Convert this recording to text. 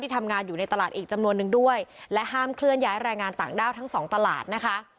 ทำงานอยู่ในตลาดอีกจำนวนนึงด้วยและห้ามเคลื่อนย้ายแรงงานต่างด้าวทั้งสองตลาดนะคะ